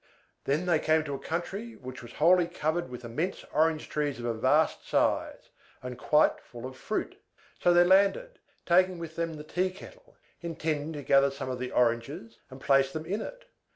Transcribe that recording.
Then they came to a country which was wholly covered with immense orange trees of a vast size, and quite full of fruit. So they all landed, taking with them the tea kettle, intending to gather some of the oranges, and place them in it.